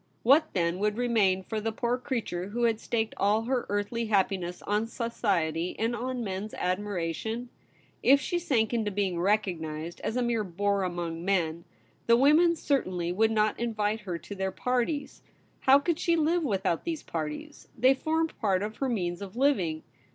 What then would remain for the poor crea ture who had staked all her earthly happiness on society and on men's admiration ? If she sank into being recognised as a mere bore among men, the women certainly would not invite her to their parties. How could she live without these parties } They formed part of her means of living.